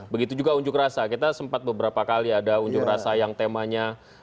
begitu juga unjuk rasa kita sempat beberapa kali ada unjuk rasa yang temanya